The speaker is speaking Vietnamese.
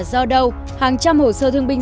do đâu hàng trăm hồ sơ thương binh